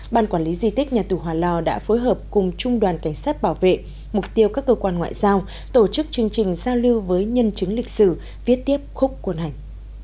ban quản lý di tích nhà tù hòa lò đã phối hợp cùng trung đoàn cảnh sát bảo vệ mục tiêu các cơ quan ngoại giao tổ chức chương trình giao lưu với nhân chứng lịch sử viết tiếp khúc quân hành